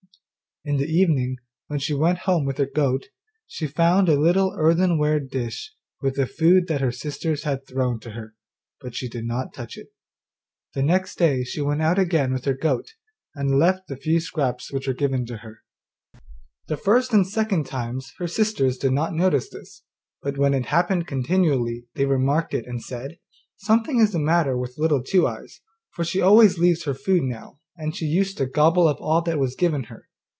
In the evening, when she went home with her goat, she found a little earthenware dish with the food that her sisters had thrown to her, but she did not touch it. The next day she went out again with her goat, and left the few scraps which were given her. The first and second times her sisters did not notice this, but when it happened continually, they remarked it and said, 'Something is the matter with Little Two eyes, for she always leaves her food now, and she used to gobble up all that was given her.